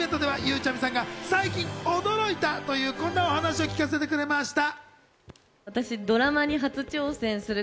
イベントではゆうちゃみさんが最近驚いたというこんなお話を聞かせてくれました。